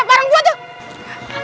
eh bareng gue tuh